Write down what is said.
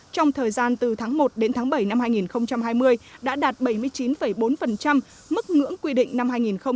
trong thời gian từ tháng một đến tháng bảy năm hai nghìn hai mươi đã đạt bảy mươi chín bốn mức ngưỡng quy định năm hai nghìn hai mươi